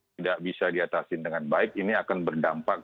tidak bisa diatasin dengan baik ini akan berdampak